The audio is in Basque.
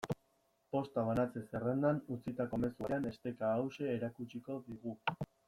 Posta banatze-zerrendan utzitako mezu batean esteka hauxe erakutsi digu.